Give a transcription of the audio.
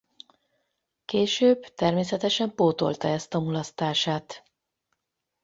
Később természetesen pótolta ezt a mulasztását.